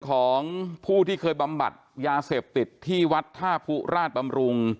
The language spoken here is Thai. ของผู้ที่เคยบำบัดยาเสพติดที่วัดท่าผู้ราชบำรุง